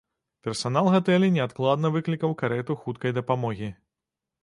Персанал гатэля неадкладна выклікаў карэту хуткай дапамогі.